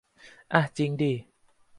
อ่ะจิงดิ